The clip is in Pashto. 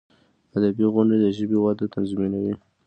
ادبي غونډي د ژبي وده تضمینوي.